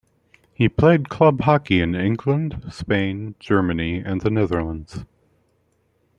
He played club hockey in England, Spain, Germany and the Netherlands.